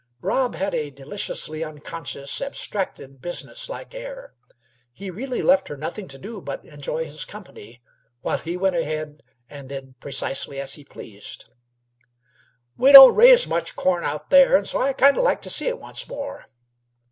Rob had a deliciously unconscious, abstracted, business like air. He really left her nothing to do but enjoy his company, while he went ahead and did precisely as he pleased. "We don't raise much corn out there, an' so I kind o' like to see it once more."